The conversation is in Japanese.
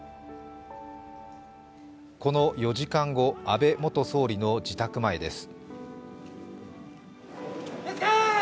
この４時間後、安倍元総理の自宅前です。